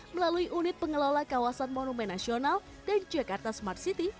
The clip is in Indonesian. melalui unit pengelola kawasan monumen nasional dan jakarta smart city